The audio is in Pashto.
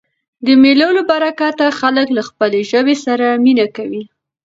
د مېلو له برکته خلک له خپلي ژبي سره مینه کوي.